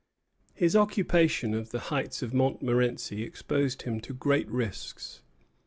His occupation of the heights of Montmorenci exposed him to great risks.